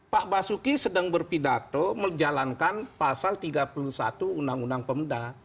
pak basuki sedang berpidato menjalankan pasal tiga puluh satu undang undang pemda